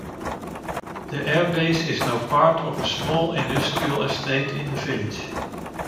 The airbase is now part of a small industrial estate in the village.